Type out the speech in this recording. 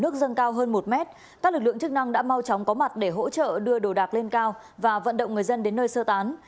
các lực lượng chức năng đã mau chóng có mặt để hỗ trợ đưa đồ đạc lên cao và vận động người dân đến nơi sơ tán